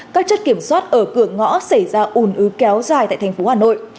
các chất kiểm soát ở cửa ngõ xảy ra ủn ứ kéo dài tại thành phố hà nội